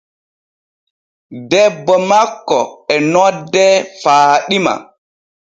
Debbo makko e noddee faaɗima.